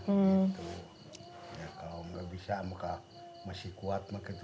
gitu kalau nggak bisa maka masih kuat begitu